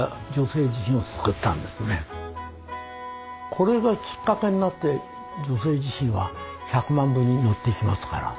これがきっかけになって「女性自身」は１００万部に乗っていきますから。